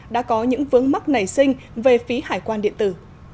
đã có những vướng mắc nảy sinh về phí hải quan điện tử